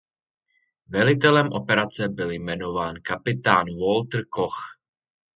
Velitelem operace byl jmenován kapitán Walter Koch.